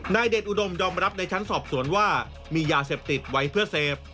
เดชอุดมยอมรับในชั้นสอบสวนว่ามียาเสพติดไว้เพื่อเสพ